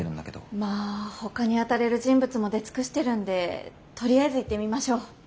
まあほかに当たれる人物も出尽くしてるんでとりあえず行ってみましょう。